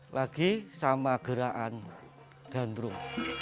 lagi sama gerakan ganrum